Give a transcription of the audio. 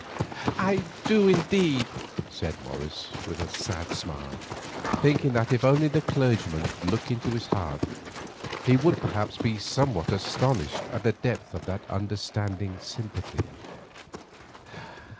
"I do, indeed," said Morris, with a sad smile, thinking that if only the clergyman could look into his heart he would perhaps be somewhat astonished at the depth of that understanding sympathy.